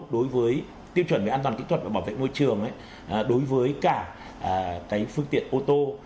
đối với tiêu chuẩn về an toàn kỹ thuật và bảo vệ môi trường đối với cả phương tiện ô tô